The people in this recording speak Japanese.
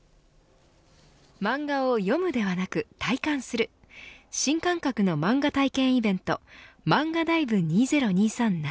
漫画を読むではなく体感する新感覚の漫画体験イベントマンガダイブ２０２３夏